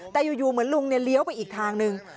แต่อยู่เหมือนลุงเลี้ยวไปอีกทางหนึ่ง